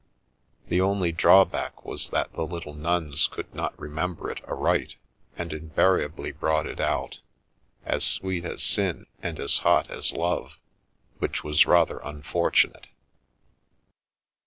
The only drawback was that the little nuns could not remember it aright, and invariably brought it out :" As sweet as sin and as hot as love —" which was rather unfortunate.